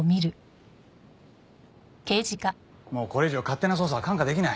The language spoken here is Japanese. もうこれ以上勝手な捜査は看過できない。